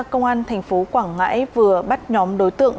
công an tp quảng ngãi vừa bắt nhóm đối tượng